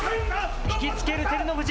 引き付ける照ノ富士。